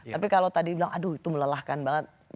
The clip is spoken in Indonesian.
tapi kalau tadi bilang aduh itu melelahkan banget